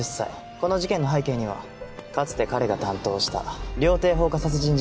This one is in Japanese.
この事件の背景にはかつて彼が担当した料亭放火殺人事件が関係している。